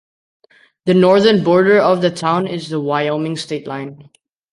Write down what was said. The northern border of the town is the Wyoming state line.